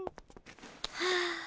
はあ。